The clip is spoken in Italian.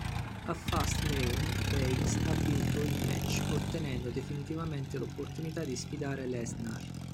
A Fastlane, Reigns ha vinto il match, ottenendo definitivamente l'opportunità di sfidare Lesnar.